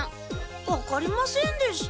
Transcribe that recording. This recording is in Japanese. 分かりませんでした。